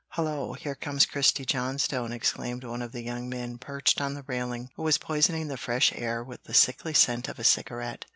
"Hullo! here comes Christie Johnstone," exclaimed one of the young men perched on the railing, who was poisoning the fresh air with the sickly scent of a cigarette.